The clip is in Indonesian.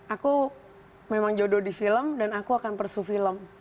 aku memang jodoh di film dan aku akan persu film